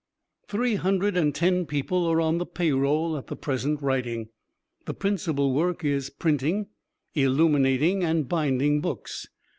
Three hundred ten people are on the payroll at the present writing. The principal work is printing, illuminating and binding books.